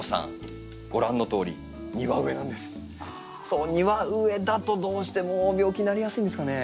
そう庭植えだとどうしても病気になりやすいんですかね？